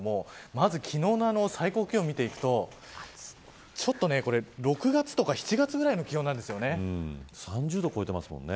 まず、昨日の最高気温見ていくと６月とか７月くらいの気温３０度超えてますもんね。